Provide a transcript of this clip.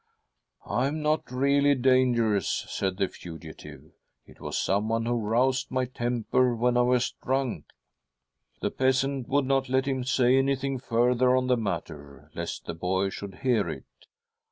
' I am not really dangerous,' . said the fugitive ;' it was someone who roused my temper when I was drunk !' The peasant would not let him say anything further on the matter, " lest the boy should hear it.